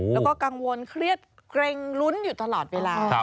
แล้วก็กังวลเครียดเกร็งลุ้นอยู่ตลอดเวลา